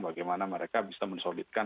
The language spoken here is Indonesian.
bagaimana mereka bisa mensolidkan